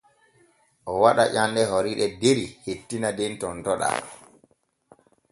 O waɗa ƴanɗe horiiɗe der hettina den tontoɗaa.